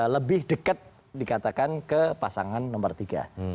lebih dekat dikatakan ke pasangan nomor tiga